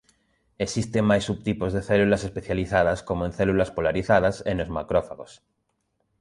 Existen máis subtipos en células especializadas como en células polarizadas e nos macrófagos.